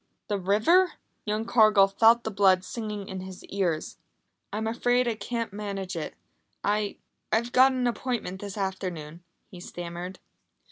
The river! Young Cargill felt the blood singing in his ears. "I'm afraid I can't manage it. I I've got an appointment this afternoon," he stammered.